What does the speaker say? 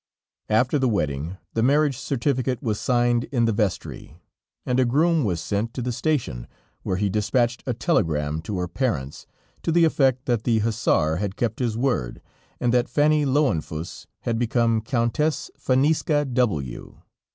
After the wedding, the marriage certificate was signed in the vestry, and a groom was sent to the station, where he dispatched a telegram to her parents, to the effect that the hussar had kept his word, and that Fanny Löwenfuss had become Countess Faniska W